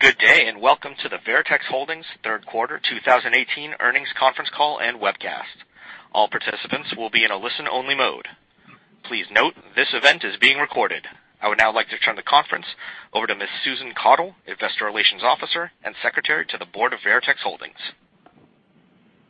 Good day. Welcome to the Veritex Holdings third quarter 2018 earnings conference call and webcast. All participants will be in a listen-only mode. Please note this event is being recorded. I would now like to turn the conference over to Ms. Susan Caudle, Investor Relations Officer and Secretary to the Board of Veritex Holdings.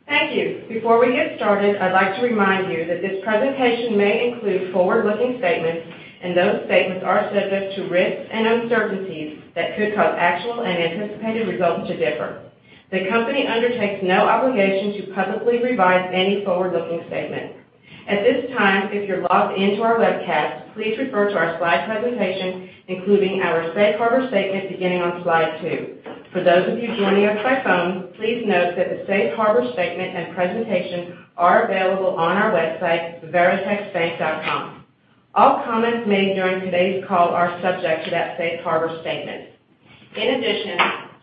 Thank you. Before we get started, I'd like to remind you that this presentation may include forward-looking statements. Those statements are subject to risks and uncertainties that could cause actual and anticipated results to differ. The company undertakes no obligation to publicly revise any forward-looking statement. At this time, if you're logged in to our webcast, please refer to our slide presentation, including our safe harbor statement, beginning on slide two. For those of you joining us by phone, please note that the safe harbor statement and presentation are available on our website, veritexbank.com. All comments made during today's call are subject to that safe harbor statement. In addition,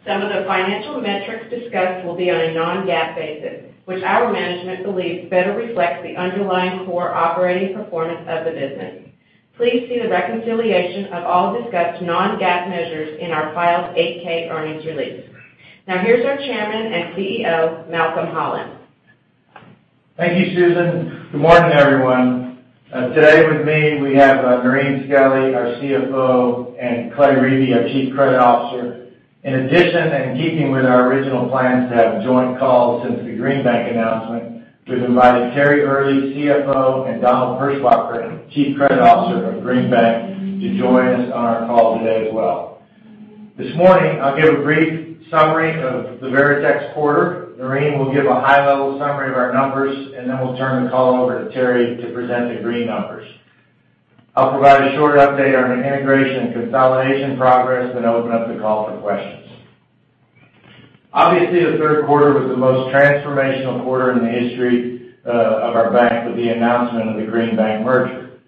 some of the financial metrics discussed will be on a non-GAAP basis, which our management believes better reflects the underlying core operating performance of the business. Please see the reconciliation of all discussed non-GAAP measures in our filed 8-K earnings release. Now, here's our Chairman and CEO, Malcolm Holland. Thank you, Susan. Good morning, everyone. Today with me, we have Terry Earley, our CFO, and Clay Riebe, our Chief Credit Officer. In addition, keeping with our original plans to have a joint call since the Green Bank announcement, we've invited Terry Earley, CFO, and Donald Hirschboeck, Chief Credit Officer of Green Bank, to join us on our call today as well. This morning, I'll give a brief summary of the Veritex quarter. Terry Earley will give a high-level summary of our numbers. We'll turn the call over to Terry to present the Green numbers. I'll provide a short update on our integration and consolidation progress. Open up the call for questions. Obviously, the third quarter was the most transformational quarter in the history of our bank with the announcement of the Green Bank merger.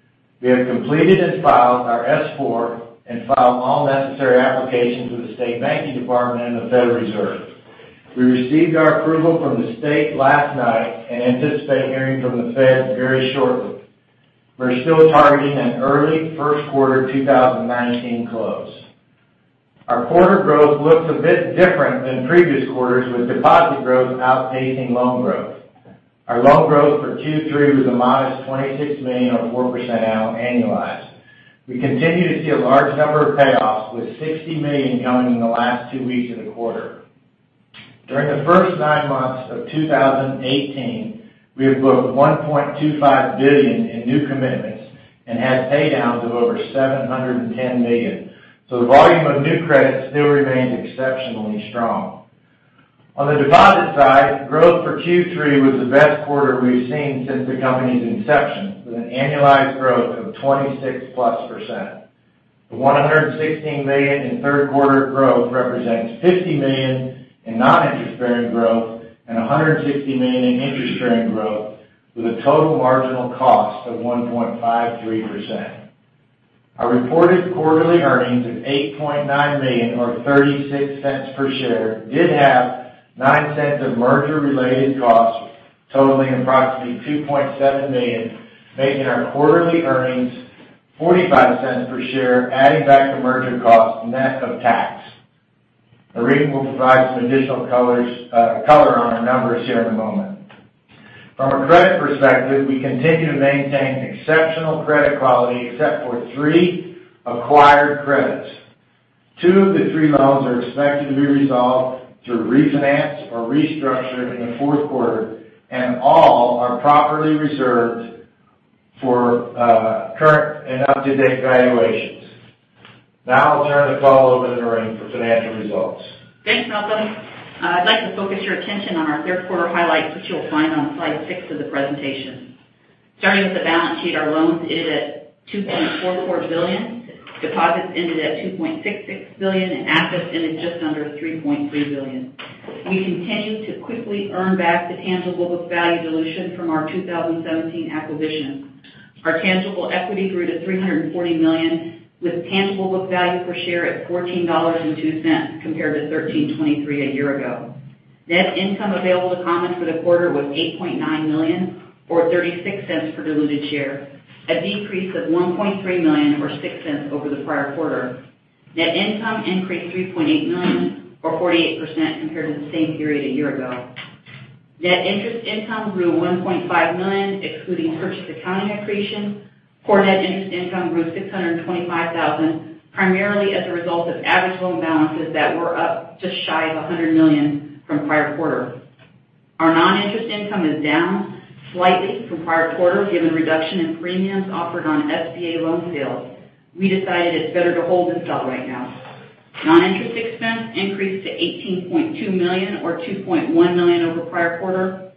We have completed and filed our S-4 and filed all necessary applications with the State Banking Department and the Federal Reserve. We received our approval from the state last night and anticipate hearing from the Fed very shortly. We are still targeting an early first quarter 2019 close. Our quarter growth looks a bit different than previous quarters, with deposit growth outpacing loan growth. Our loan growth for Q3 was a modest $26 million or 4% annualized. We continue to see a large number of payoffs, with $60 million coming in the last two weeks of the quarter. During the first nine months of 2018, we have booked $1.25 billion in new commitments and had paydowns of over $710 million. The volume of new credit still remains exceptionally strong. On the deposit side, growth for Q3 was the best quarter we have seen since the company's inception, with an annualized growth of 26-plus %. The $116 million in third quarter growth represents $50 million in non-interest-bearing growth and $160 million in interest-bearing growth, with a total marginal cost of 1.53%. Our reported quarterly earnings of $8.9 million, or $0.36 per share, did have $0.09 of merger-related costs totaling approximately $2.7 million, making our quarterly earnings $0.45 per share, adding back the merger cost net of tax. Terry will provide some additional color on our numbers here in a moment. From a credit perspective, we continue to maintain exceptional credit quality, except for three acquired credits. Two of the three loans are expected to be resolved through refinance or restructure in the fourth quarter, and all are properly reserved for current and up-to-date valuations. Now I will turn the call over to Noreen for financial results. Thanks, Malcolm. I would like to focus your attention on our third quarter highlights, which you will find on slide six of the presentation. Starting with the balance sheet, our loans ended at $2.44 billion. Deposits ended at $2.66 billion, and assets ended just under $3.3 billion. We continue to quickly earn back the tangible book value dilution from our 2017 acquisition. Our tangible equity grew to $340 million, with tangible book value per share at $14.02, compared to $13.23 a year ago. Net income available to common for the quarter was $8.9 million or $0.36 per diluted share, a decrease of $1.3 million or $0.06 over the prior quarter. Net income increased $3.8 million or 48% compared to the same period a year ago. Net interest income grew $1.5 million, excluding purchase accounting accretion. Core net interest income grew $625,000, primarily as a result of average loan balances that were up just shy of $100 million from prior quarter. Our noninterest income is down slightly from prior quarter, given reduction in premiums offered on SBA loan sales. We decided it's better to hold than sell right now. Non-interest expense increased to $18.2 million or $2.1 million over prior quarter.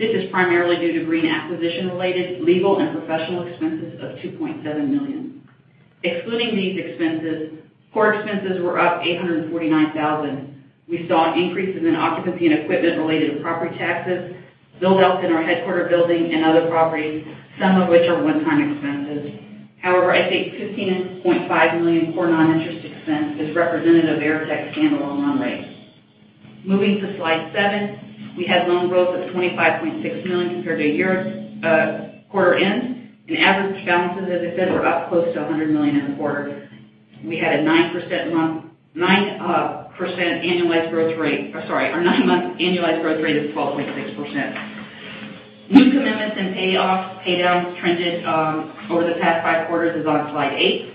This is primarily due to Green acquisition-related legal and professional expenses of $2.7 million. Excluding these expenses, core expenses were up $849,000. We saw an increase in occupancy and equipment related to property taxes, build-outs in our headquarters building and other properties, some of which are one-time expenses. I think $15.5 million core non-interest expense is representative of Veritex standalone run rate. Moving to slide seven, we had loan growth of $25.6 million compared to a year quarter end, and average balances, as I said, were up close to $100 million in the quarter. We had a nine month annualized growth rate of 12.6%. New commitments and payoffs, paydowns trended over the past five quarters, as on slide eight.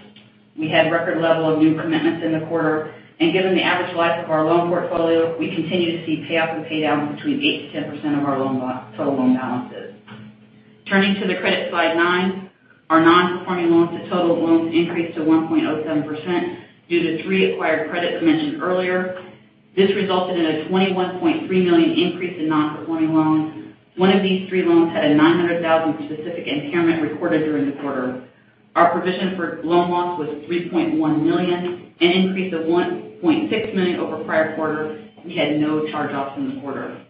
We had record level of new commitments in the quarter, and given the average life of our loan portfolio, we continue to see payoff and paydown between 8% to 10% of our total loan balances. Turning to the credit, slide nine, our Non-Performing Loans to total loans increased to 1.07%, due to three acquired credits mentioned earlier. This resulted in a $21.3 million increase in Non-Performing Loans. One of these three loans had a $900,000 specific impairment recorded during the quarter. Our provision for loan loss was $3.1 million, an increase of $1.6 million over prior quarter. We had no charge-offs in the quarter.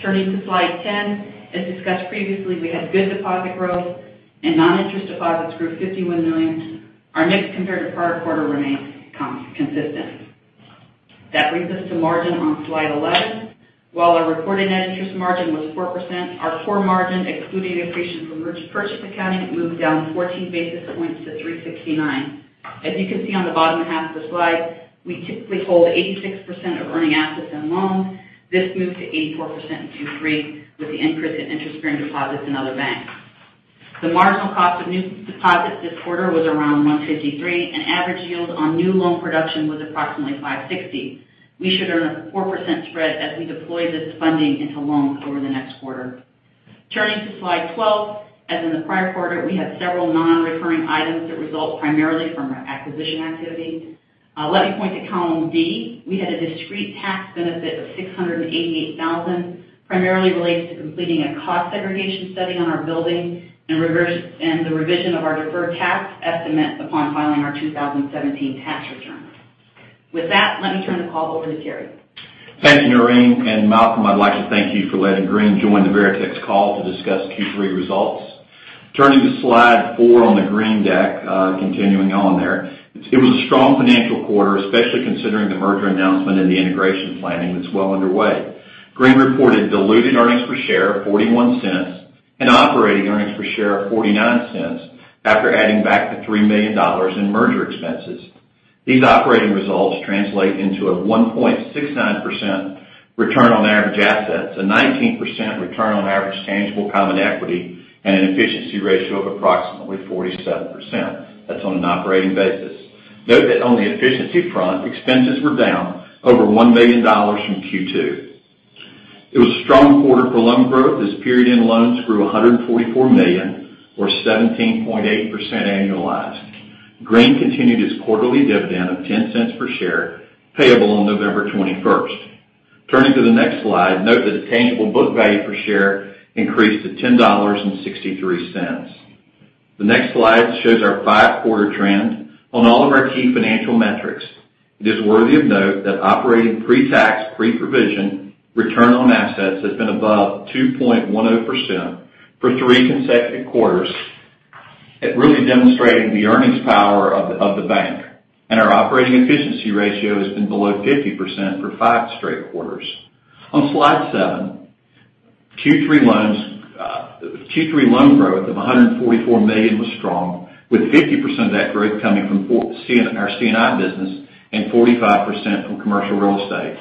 Turning to slide 10, as discussed previously, we had good deposit growth, and noninterest deposits grew $51 million. Our mix compared to prior quarter remains consistent. That brings us to margin on slide 11. While our reported net interest margin was 4%, our core margin, excluding accretion from merged purchase accounting, moved down 14 basis points to 369. As you can see on the bottom half of the slide, we typically hold 86% of earning assets in loans. This moved to 84% in Q3, with the increase in interest-bearing deposits in other banks. The marginal cost of new deposits this quarter was around 153, and average yield on new loan production was approximately 560. We should earn a 4% spread as we deploy this funding into loans over the next quarter. Turning to slide 12, as in the prior quarter, we have several nonrecurring items that result primarily from our acquisition activity. Let me point to column D. We had a discrete tax benefit of $688,000, primarily related to completing a cost segregation study on our building and the revision of our deferred tax estimate upon filing our 2017 tax return. With that, let me turn the call over to Terry. Thank you, Noreen. Malcolm, I'd like to thank you for letting Green join the Veritex call to discuss Q3 results. Turning to slide four on the Green deck, continuing on there. It was a strong financial quarter, especially considering the merger announcement and the integration planning that's well underway. Green reported diluted earnings per share of $0.41. Operating earnings per share of $0.49 after adding back the $3 million in merger expenses. These operating results translate into a 1.69% return on average assets, a 19% return on average tangible common equity, and an efficiency ratio of approximately 47%. That's on an operating basis. Note that on the efficiency front, expenses were down over $1 million from Q2. It was a strong quarter for loan growth, as period-end loans grew $144 million or 17.8% annualized. Green continued its quarterly dividend of $0.10 per share, payable on November 21st. Turning to the next slide, note that the tangible book value per share increased to $10.63. The next slide shows our five-quarter trend on all of our key financial metrics. It is worthy of note that operating pre-tax, pre-provision return on assets has been above 2.10% for three consecutive quarters. It really demonstrating the earnings power of the bank. Our operating efficiency ratio has been below 50% for five straight quarters. On slide seven, Q3 loan growth of $144 million was strong, with 50% of that growth coming from our C&I business and 45% from commercial real estate.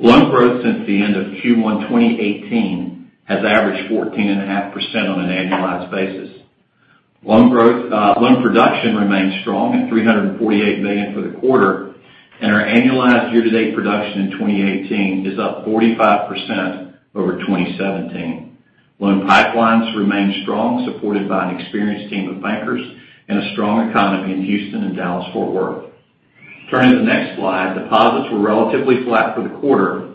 Loan growth since the end of Q1 2018 has averaged 14.5% on an annualized basis. Loan production remains strong at $348 million for the quarter. Our annualized year-to-date production in 2018 is up 45% over 2017. Loan pipelines remain strong, supported by an experienced team of bankers and a strong economy in Houston and Dallas Fort Worth. Turning to the next slide, deposits were relatively flat for the quarter.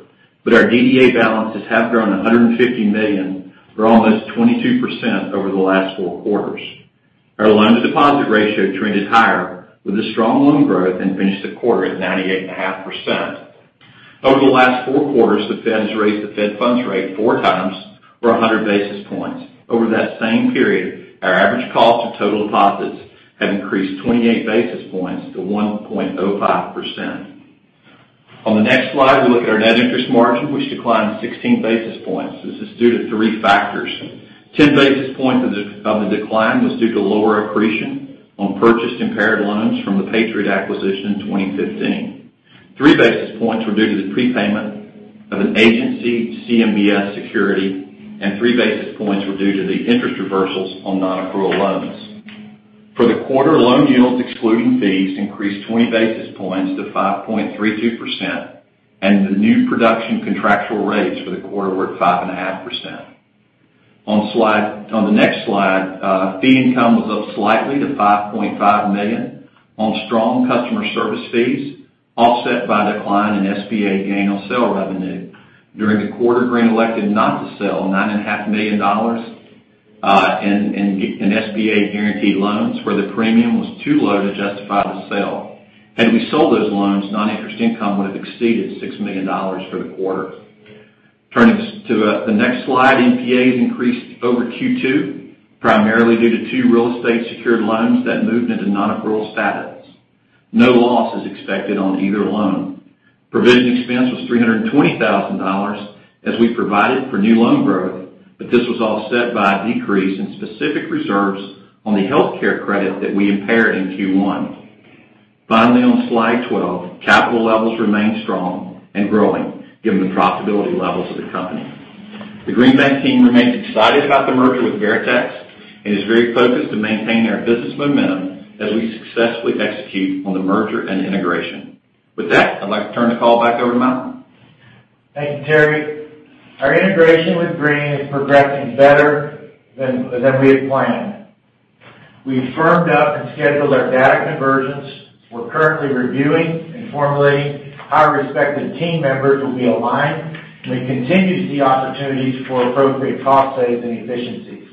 Our DDA balances have grown $150 million, or almost 22%, over the last four quarters. Our loan-to-deposit ratio trended higher with the strong loan growth. Finished the quarter at 98.5%. Over the last four quarters, the Fed has raised the Fed funds rate four times or 100 basis points. Over that same period, our average cost of total deposits have increased 28 basis points to 1.05%. On the next slide, we look at our net interest margin, which declined 16 basis points. This is due to three factors. 10 basis points of the decline was due to lower accretion on purchased impaired loans from the Patriot acquisition in 2015. Three basis points were due to the prepayment of an agency CMBS security, and three basis points were due to the interest reversals on non-accrual loans. For the quarter, loan yields, excluding fees, increased 20 basis points to 5.32%. The new production contractual rates for the quarter were 5.5%. On the next slide, fee income was up slightly to $5.5 million on strong customer service fees, offset by decline in SBA gain on sale revenue. During the quarter, Green elected not to sell $9.5 million in SBA guaranteed loans where the premium was too low to justify the sale. Had we sold those loans, non-interest income would have exceeded $6 million for the quarter. Turning to the next slide, NPAs increased over Q2, primarily due to two real estate secured loans that moved into non-accrual status. No loss is expected on either loan. Provision expense was $320,000 as we provided for new loan growth, but this was offset by a decrease in specific reserves on the healthcare credit that we impaired in Q1. On slide 12, capital levels remain strong and growing given the profitability levels of the company. The Green Bank team remains excited about the merger with Veritex and is very focused to maintain their business momentum as we successfully execute on the merger and integration. With that, I'd like to turn the call back over to Malcolm. Thank you, Terry. Our integration with Green is progressing better than we had planned. We firmed up and scheduled our data conversions. We're currently reviewing and formulating how our respective team members will be aligned. We continue to see opportunities for appropriate cost saves and efficiencies.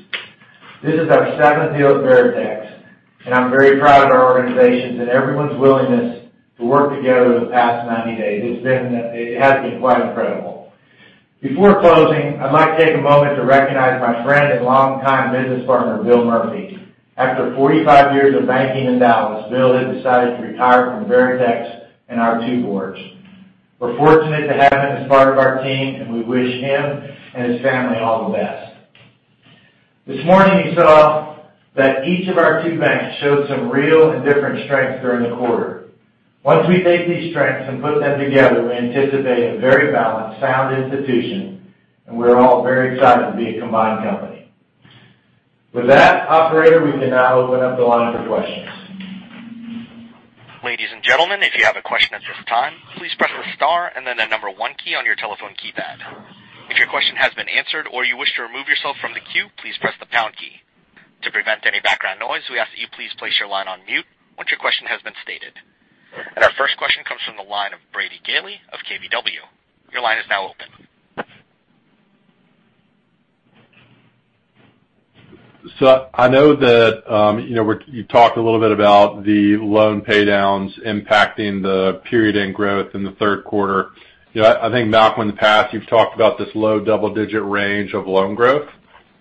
This is our seventh deal at Veritex. I'm very proud of our organizations and everyone's willingness to work together the past 90 days. It has been quite incredible. Before closing, I'd like to take a moment to recognize my friend and longtime business partner, Bill Murphy. After 45 years of banking in Dallas, Bill has decided to retire from Veritex and our two boards. We're fortunate to have him as part of our team, and we wish him and his family all the best. This morning, you saw that each of our two banks showed some real and different strengths during the quarter. Once we take these strengths and put them together, we anticipate a very balanced, sound institution. We're all very excited to be a combined company. With that, operator, we can now open up the line for questions. Ladies and gentlemen, if you have a question at this time, please press the star and then the number one key on your telephone keypad. If your question has been answered or you wish to remove yourself from the queue, please press the pound key. To prevent any background noise, we ask that you please place your line on mute once your question has been stated. Our first question comes from the line of Brady Gailey of KBW. Your line is now open. I know that you talked a little bit about the loan paydowns impacting the period end growth in the third quarter. I think, Malcolm, in the past, you've talked about this low double-digit range of loan growth.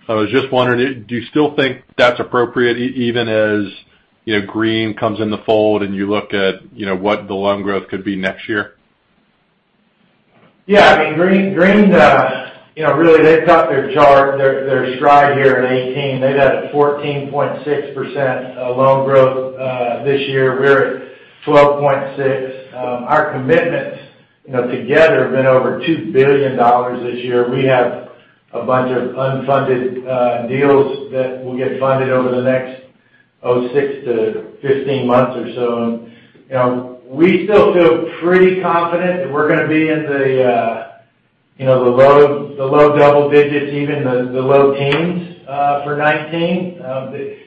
I was just wondering, do you still think that's appropriate even as Green comes in the fold and you look at what the loan growth could be next year? Yeah, Green, really, they've got their stride here in 2018. They've had a 14.6% loan growth, this year, we're at 12.6%. Our commitments together have been over $2 billion this year. We have a bunch of unfunded deals that will get funded over the next six to 15 months or so. We still feel pretty confident that we're going to be in the low double digits, even the low teens for 2019.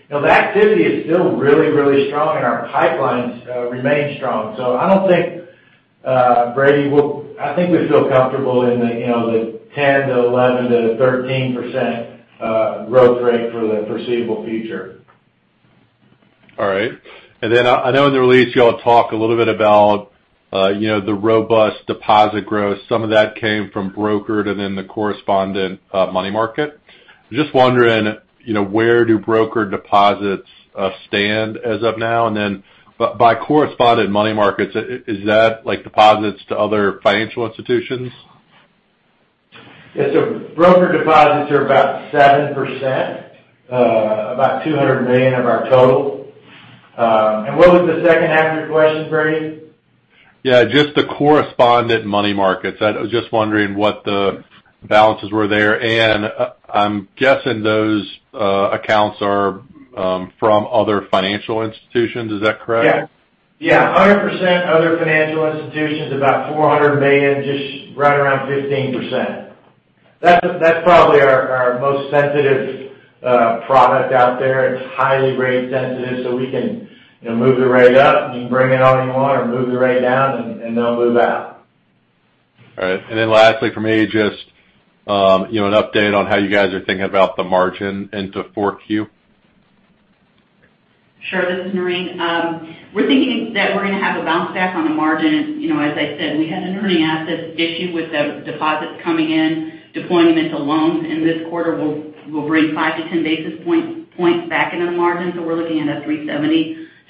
The activity is still really strong and our pipelines remain strong. I think we feel comfortable in the 10%-11%-13% growth rate for the foreseeable future. All right. I know in the release you all talk a little bit about the robust deposit growth. Some of that came from brokered and then the correspondent money market. Just wondering, where do broker deposits stand as of now? By correspondent money markets, is that deposits to other financial institutions? Yes, broker deposits are about 7%, about $200 million of our total. What was the second half of your question, Brady? Yeah, just the correspondent money markets. I was just wondering what the balances were there. I'm guessing those accounts are from other financial institutions, is that correct? Yes. 100% other financial institutions, about $400 million, just right around 15%. That's probably our most sensitive product out there. It's highly rate sensitive, so we can move the rate up and you can bring in all you want or move the rate down and they'll move out. All right. Lastly from me, just an update on how you guys are thinking about the margin into 4Q. Sure. This is Noreen. We're thinking that we're going to have a bounce back on the margin. As I said, we had an earning assets issue with the deposits coming in, deploying them to loans in this quarter will bring 5-10 basis points back into the margin. We're looking at a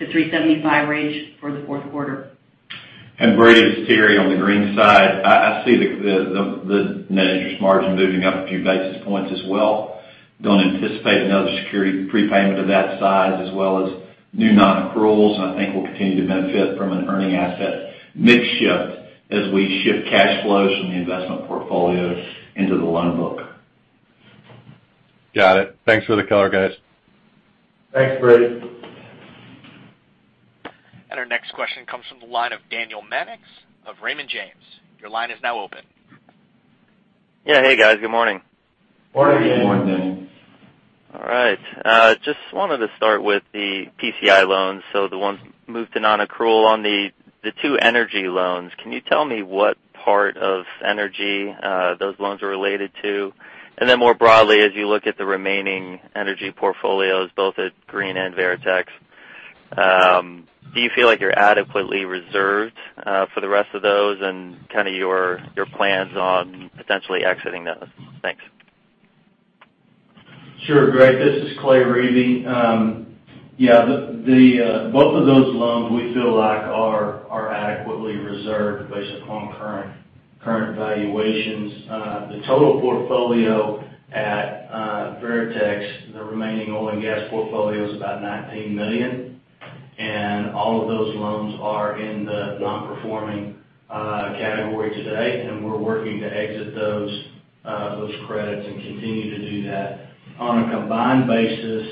370-375 range for the fourth quarter. Brady, this is Terry on the Green Bank side. I see the net interest margin moving up a few basis points as well. Don't anticipate another security prepayment of that size as well as new non-accruals, and I think we'll continue to benefit from an earning asset mix shift as we shift cash flows from the investment portfolio into the loan book. Got it. Thanks for the color, guys. Thanks, Brady. Our next question comes from the line of Michael Rose of Raymond James. Your line is now open. Yeah. Hey, guys. Good morning. Morning. Morning. Morning. All right. Just wanted to start with the PCI loans, so the ones moved to non-accrual. On the two energy loans, can you tell me what part of energy those loans are related to? More broadly, as you look at the remaining energy portfolios, both at Green and Veritex? Do you feel like you're adequately reserved for the rest of those and your plans on potentially exiting those? Thanks. Sure, great, this is Clay Riebe. Both of those loans, we feel like, are adequately reserved based upon current valuations. The total portfolio at Veritex, the remaining oil and gas portfolio is about $19 million, and all of those loans are in the non-performing category today, and we're working to exit those credits and continue to do that. On a combined basis,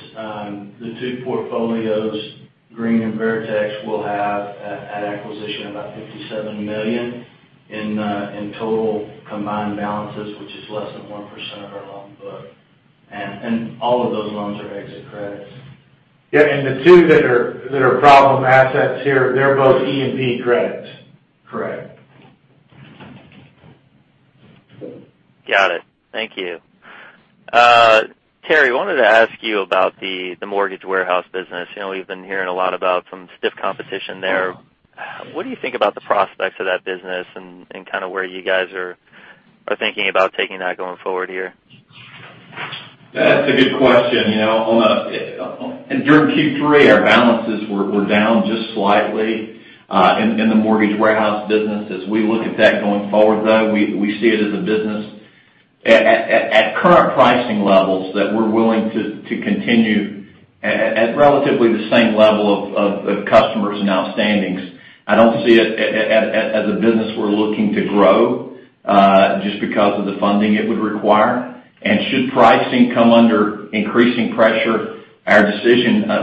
the two portfolios, Green and Veritex, will have at acquisition, about $57 million in total combined balances, which is less than 1% of our loan book. All of those loans are exit credits. Yeah, the two that are problem assets here, they're both E&P credits. Correct. Got it. Thank you. Terry, I wanted to ask you about the mortgage warehouse business. We've been hearing a lot about some stiff competition there. What do you think about the prospects of that business and where you guys are thinking about taking that going forward here? That's a good question. During Q3, our balances were down just slightly in the mortgage warehouse business. As we look at that going forward, though, we see it as a business at current pricing levels that we're willing to continue at relatively the same level of customers and outstandings. I don't see it as a business we're looking to grow, just because of the funding it would require. Should pricing come under increasing pressure, our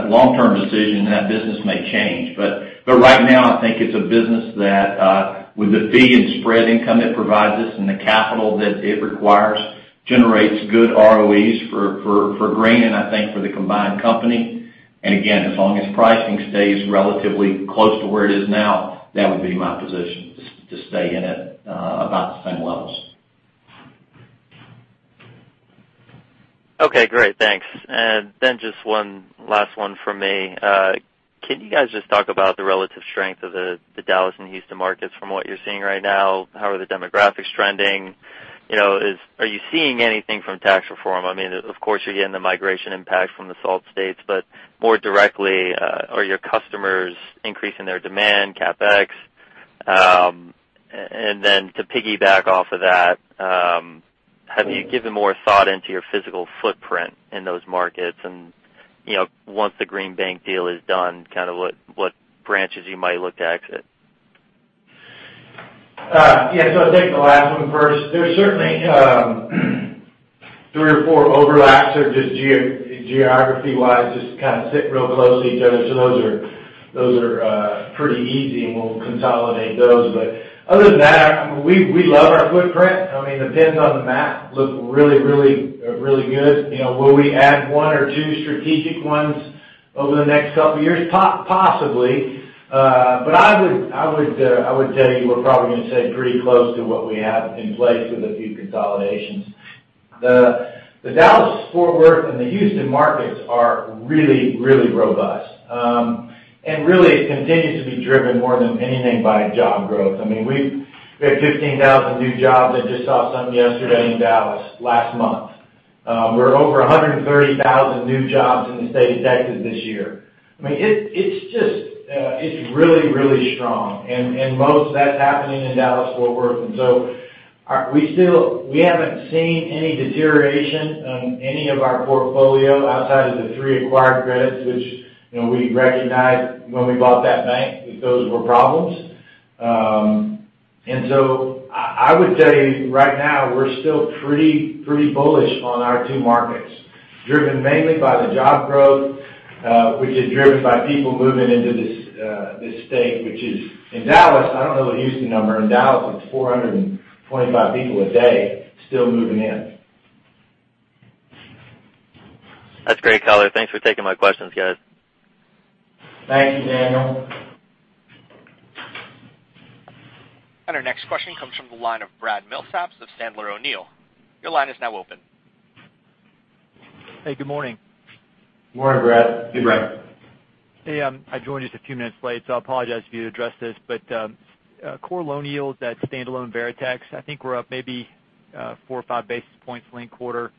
long-term decision in that business may change. Right now, I think it's a business that, with the fee and spread income it provides us and the capital that it requires, generates good ROEs for Green and I think for the combined company. Again, as long as pricing stays relatively close to where it is now, that would be my position, to stay in it about the same levels. Okay, great. Thanks. Then just one last one from me. Can you guys just talk about the relative strength of the Dallas and Houston markets from what you're seeing right now? How are the demographics trending? Are you seeing anything from tax reform? Of course, you're getting the migration impact from the SALT states, but more directly, are your customers increasing their demand, CapEx? Then to piggyback off of that, have you given more thought into your physical footprint in those markets and, once the Green Bank deal is done, what branches you might look to exit? I'll take the last one first. There's certainly three or four overlaps or just geography-wise, just kind of sit real close to each other. Those are pretty easy, and we'll consolidate those. Other than that, we love our footprint. The pins on the map look really, really good. Will we add one or two strategic ones over the next couple of years? Possibly. I would tell you, we're probably going to stay pretty close to what we have in place with a few consolidations. The Dallas-Fort Worth and the Houston markets are really, really robust. Really, it continues to be driven more than anything by job growth. We have 15,000 new jobs. I just saw some yesterday in Dallas last month. We're over 130,000 new jobs in the state of Texas this year. It's really, really strong, and most of that's happening in Dallas-Fort Worth. We haven't seen any deterioration in any of our portfolio outside of the three acquired credits, which we recognized when we bought that bank, that those were problems. I would say right now, we're still pretty bullish on our two markets, driven mainly by the job growth, which is driven by people moving into this state. In Dallas, I don't know the Houston number. In Dallas, it's 425 people a day still moving in. That's great color. Thanks for taking my questions, guys. Thank you, Michael. Our next question comes from the line of Brad Milsaps of Sandler O'Neill. Your line is now open. Hey, good morning. Morning, Brad. Good morning. Hey, I joined just a few minutes late, so I apologize if you addressed this, but core loan yields at standalone Veritex, I think, were up maybe four or five basis points linked quarter.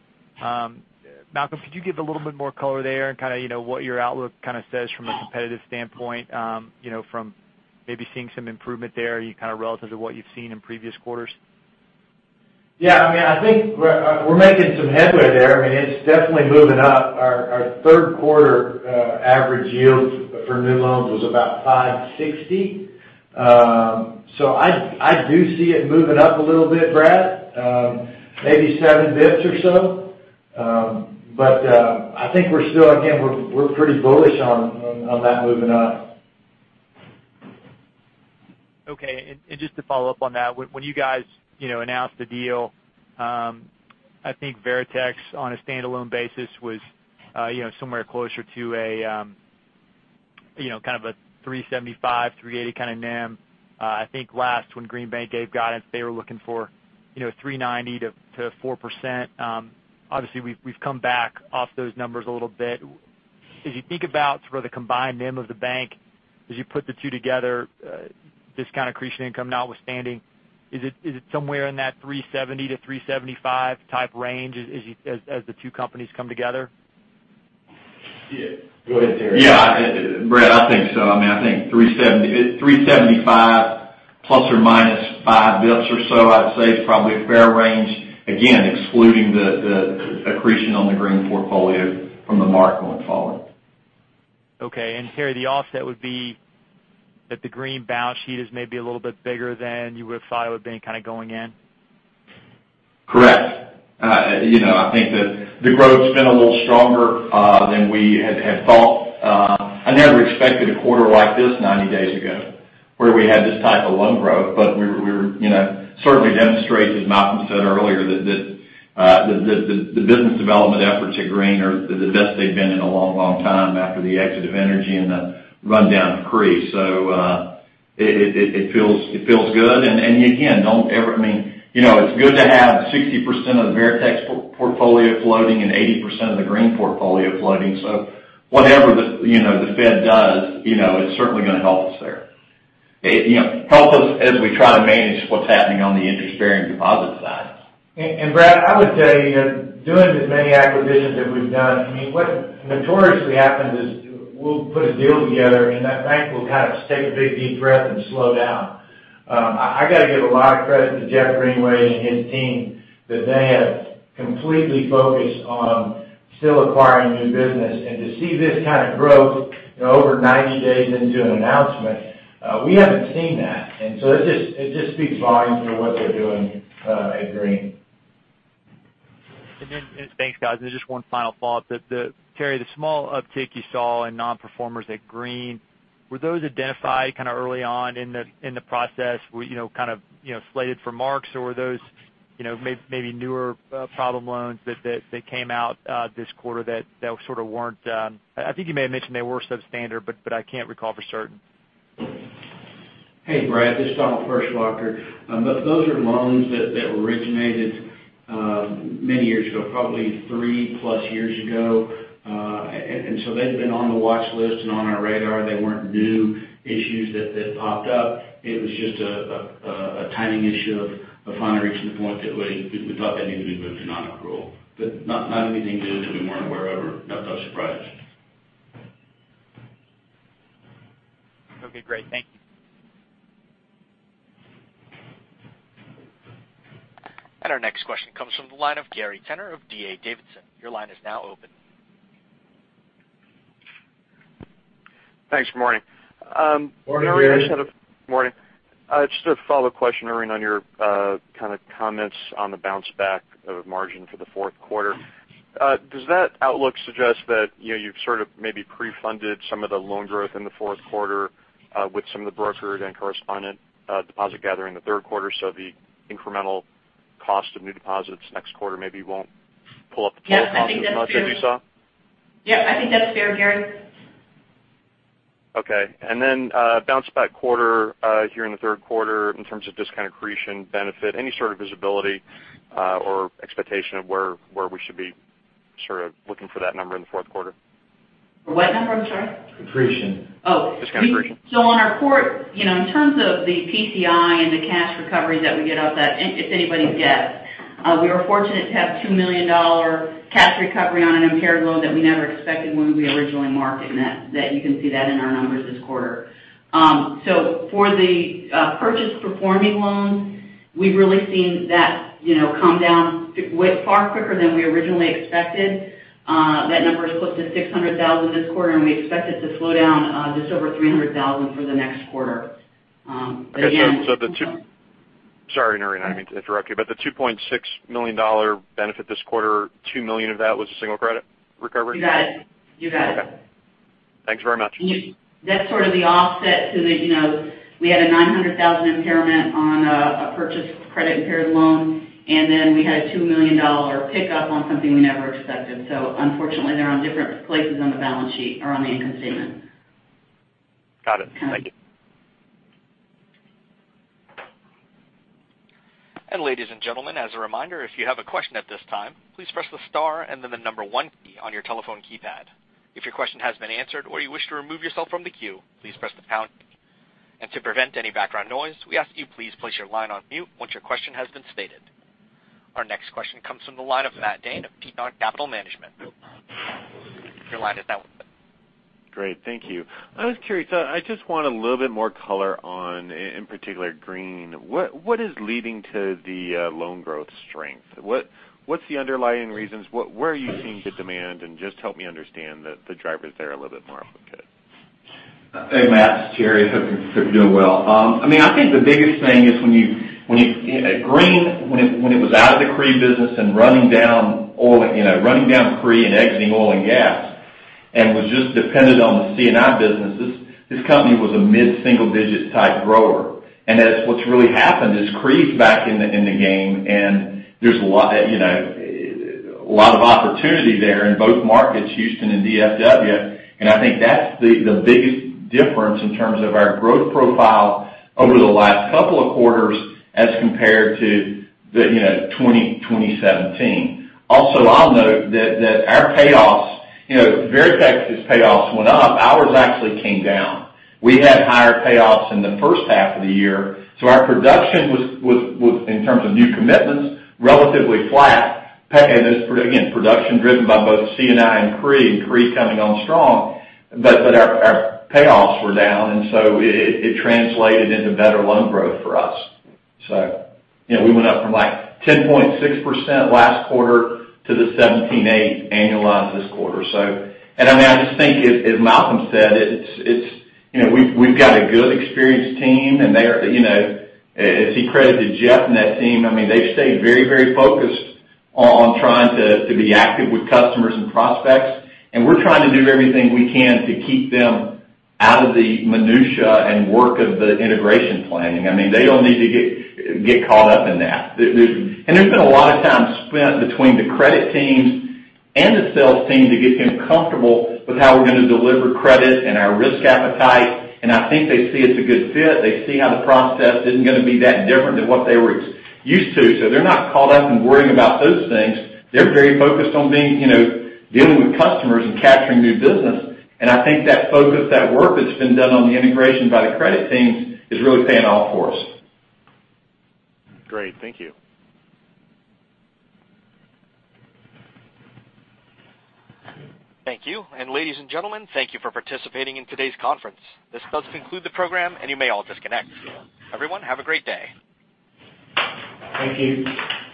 Malcolm, could you give a little bit more color there and kind of what your outlook says from a competitive standpoint from maybe seeing some improvement there, kind of relative to what you've seen in previous quarters? I think we're making some headway there. It's definitely moving up. Our third quarter average yield for new loans was about 5.60%. I do see it moving up a little bit, Brad, maybe seven basis points or so. I think we're still, again, we're pretty bullish on that moving up. Okay, just to follow up on that. When you guys announced the deal, I think Veritex, on a standalone basis, was somewhere closer to a kind of a 3.75%, 3.80% kind of NIM. I think last, when Green Bank gave guidance, they were looking for 3.90%-4%. Obviously, we've come back off those numbers a little bit. As you think about the combined NIM of the bank, as you put the two together, discount accretion income notwithstanding, is it somewhere in that 3.70%-3.75% type range as the two companies come together? Go ahead, Terry. Brad, I think so. I think 3.75% plus or minus five basis points or so, I'd say, is probably a fair range, again, excluding the accretion on the Green portfolio from the mark going forward. Okay. Terry, the offset would be that the Green balance sheet is maybe a little bit bigger than you would have thought it would have been going in? Correct. I think that the growth's been a little stronger than we had thought. I never expected a quarter like this 90 days ago where we had this type of loan growth. We certainly demonstrated, as Malcolm said earlier, that the business development efforts at Green are the best they've been in a long time after the exit of energy and the rundown of CRE. It feels good. Again, it's good to have 60% of the Veritex portfolio floating and 80% of the Green portfolio floating. Whatever the Fed does, it's certainly going to help us there. Help us as we try to manage what's happening on the interest-bearing deposit side. Brad, I would say, doing as many acquisitions that we've done, what notoriously happens is we'll put a deal together, and that bank will kind of just take a big, deep breath and slow down. I got to give a lot of credit to Jeff Kesler and his team that they have completely focused on still acquiring new business. To see this kind of growth over 90 days into an announcement, we haven't seen that. It just speaks volumes to what they're doing at Green. Thanks, guys. Just one final thought. Terry, the small uptick you saw in non-performers at Green, were those identified early on in the process, slated for marks? Or were those maybe newer problem loans that came out this quarter that sort of weren't I think you may have mentioned they were substandard, but I can't recall for certain. Hey, Brad, this is Malcolm Ferschauer. Those are loans that originated many years ago, probably three-plus years ago. They'd been on the watch list and on our radar. They weren't new issues that popped up. It was just a timing issue of finally reaching the point that we thought they needed to be moved to non-accrual. Not anything new that we weren't aware of or nothing of surprise. Okay, great. Thank you. Our next question comes from the line of Gary Tenner of D.A. Davidson. Your line is now open. Thanks. Morning. Morning, Gary. Morning. Just a follow-up question, Noreen, on your comments on the bounce back of margin for the fourth quarter. Does that outlook suggest that you've sort of maybe pre-funded some of the loan growth in the fourth quarter with some of the brokered and correspondent deposit gathering in the third quarter, the incremental cost of new deposits next quarter maybe won't pull up the total cost as much as you saw? Yeah, I think that's fair, Gary. Okay. Bounce back quarter here in the third quarter in terms of discount accretion benefit, any sort of visibility or expectation of where we should be looking for that number in the fourth quarter? What number? I'm sorry. Accretion. Oh. Discount accretion. In terms of the PCI and the cash recovery that we get off that, if anybody gets, we were fortunate to have a $2 million cash recovery on an impaired loan that we never expected when we originally marked it, and you can see that in our numbers this quarter. For the purchase performing loans, we've really seen that come down far quicker than we originally expected. That number is close to $600,000 this quarter, and we expect it to slow down just over $300,000 for the next quarter. Okay. Sorry, Noreen, I didn't mean to interrupt you. The $2.6 million benefit this quarter, $2 million of that was a single credit recovery? You got it. Okay. Thanks very much. That's sort of the offset to the, we had a $900,000 impairment on a purchased credit-impaired loan, and then we had a $2 million pickup on something we never expected. Unfortunately, they're on different places on the income statement. Got it. Thank you. Ladies and gentlemen, as a reminder, if you have a question at this time, please press the star and then the number one key on your telephone keypad. If your question has been answered or you wish to remove yourself from the queue, please press the pound key. To prevent any background noise, we ask you please place your line on mute once your question has been stated. Our next question comes from the line of Matt Dane of Tieton Capital Management. Your line is now open. Great. Thank you. I was curious, I just want a little bit more color on, in particular, Green. What is leading to the loan growth strength? What's the underlying reasons? Where are you seeing the demand? Just help me understand the drivers there a little bit more if we could. Hey, Matt, it's Terry. Hope you're doing well. I think the biggest thing is Green, when it was out of the CRE business and running down CRE and exiting oil and gas, and was just dependent on the C&I business, this company was a mid-single-digit type grower. That's what's really happened, is CRE's back in the game, and there's a lot of opportunity there in both markets, Houston and DFW. I think that's the biggest difference in terms of our growth profile over the last couple of quarters as compared to 2017. Also, I'll note that our payoffs, Veritex's payoffs went up, ours actually came down. We had higher payoffs in the first half of the year, so our production was, in terms of new commitments, relatively flat. Again, production driven by both C&I and CRE, and CRE coming on strong. Our payoffs were down, so it translated into better loan growth for us. We went up from, like, 10.6% last quarter to the 17-8 annualized this quarter. I just think, as Malcolm said, we've got a good, experienced team, and as he credited Jeff and that team, they've stayed very focused on trying to be active with customers and prospects. We're trying to do everything we can to keep them out of the minutia and work of the integration planning. They don't need to get caught up in that. There's been a lot of time spent between the credit teams and the sales team to get them comfortable with how we're going to deliver credit and our risk appetite. I think they see it's a good fit. They see how the process isn't going to be that different than what they were used to. They're not caught up in worrying about those things. They're very focused on dealing with customers and capturing new business. I think that focus, that work that's been done on the integration by the credit teams, is really paying off for us. Great. Thank you. Thank you. Ladies and gentlemen, thank you for participating in today's conference. This does conclude the program, and you may all disconnect. Everyone, have a great day. Thank you.